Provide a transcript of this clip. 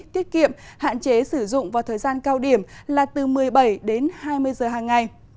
tiết kiệm hạn chế sử dụng vào thời gian cao điểm là từ một mươi bảy đến hai mươi giờ hàng ngày